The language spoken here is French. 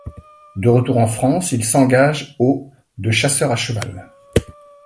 De retour en France, il s’engage au de chasseurs à cheval.